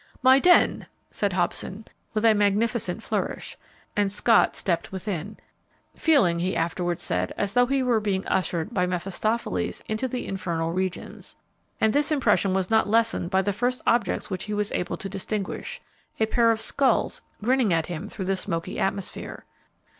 "My den!" said Hobson, with a magnificent flourish, and Scott stepped within, feeling, he afterwards said, as though he were being ushered by Mephistopheles into the infernal regions, and this impression was not lessened by the first objects which he was able to distinguish, a pair of skulls grinning at him through the smoky atmosphere.